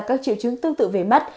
các triệu chứng tương tự về mắt